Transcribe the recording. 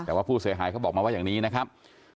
แต่ว่าผู้เสียหายเขาบอกมาว่าอย่างนี้นะครับ